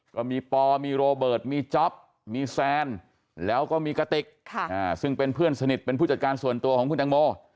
ก็มีมีมีมีแล้วก็มีค่ะอ่าซึ่งเป็นเพื่อนสนิทเป็นผู้จัดการส่วนตัวของคุณแตงโม